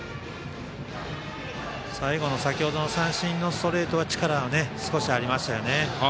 最後の先ほどの三振のストレートは力が少しありましたよね。